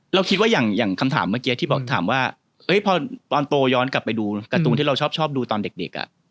เราคิดว่าอย่างคำถามเมื่อกี้ที่บอกถามว่าพอตอนโตย้อนกลับไปดูการ์ตูนที่เราชอบดูตอนเด็ก